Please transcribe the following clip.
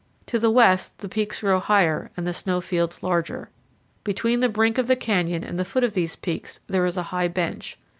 To the west the peaks grow higher and the snow fields larger. Between the brink of the canyon and the foot of these peaks, there is a high bench.